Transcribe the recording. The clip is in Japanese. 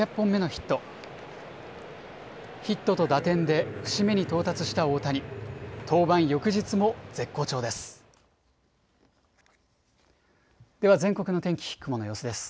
ヒットと打点で節目に到達した大谷、登板翌日も絶好調です。